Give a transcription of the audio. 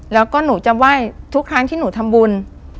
แล้วก็หนูจะไหว้ทุกครั้งที่หนูทำบุญ